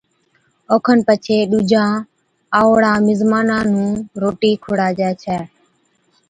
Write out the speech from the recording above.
اوکن پڇي ڏُوجان آئوڙان مزمانا نُون روٽِي کُڙاجَي ڇَي